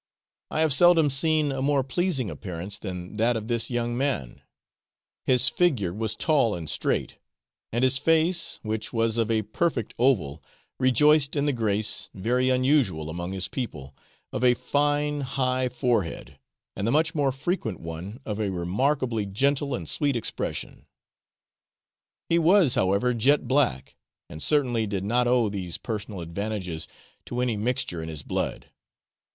I have seldom seen a more pleasing appearance than that of this young man; his figure was tall and straight, and his face, which was of a perfect oval, rejoiced in the grace, very unusual among his people, of a fine high forehead, and the much more frequent one of a remarkably gentle and sweet expression. He was, however, jet black, and certainly did not owe these personal advantages to any mixture in his blood.